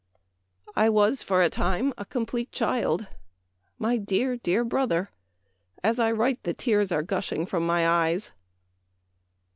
" I was, for a time, a com plete child. My dear, dear brother ! As I write the tears are gushing from my eyes."